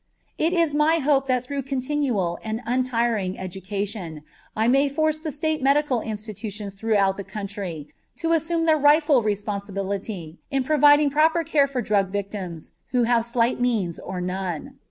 It is my hope that through continual and untiring education I may force the state medical institutions throughout the country to assume their rightful responsibility in providing proper care for drug victims who have slight means or none.